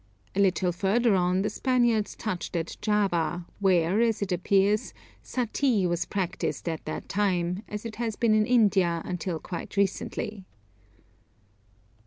A little further on the Spaniards touched at Java, where, as it appears, suttee was practised at this time, as it has been in India until quite recently.